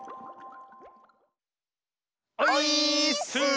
オイーッス！